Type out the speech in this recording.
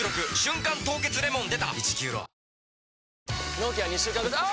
納期は２週間後あぁ！！